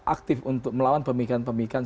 aktif untuk melawan pemilikan pemilikan